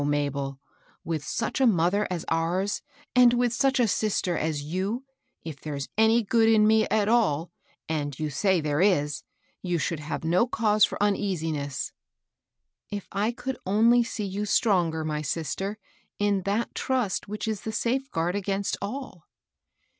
98 Mabel I With sach a mother as ours, and with such a sister as you, if there's any good in me at all, — and you say there is, — you should have no cause for uneasiness." " If I could only see you stronger, my sister, in that trust which is the safeguard against all."